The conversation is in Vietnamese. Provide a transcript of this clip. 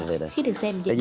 khi được xem điện thoại